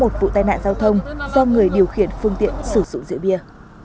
đà nẵng chỉ có một vụ tai nạn giao thông do người điều khiển phương tiện xử dụng rượu bia